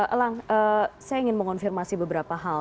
elang saya ingin mengonfirmasi beberapa hal